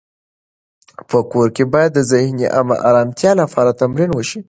په کور کې باید د ذهني ارامتیا لپاره تمرین وشي.